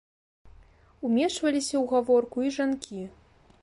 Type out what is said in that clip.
Умешваліся ў гаворку і жанкі.